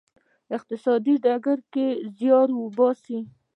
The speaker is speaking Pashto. اقتصادي ډګر کې زیار وباسی.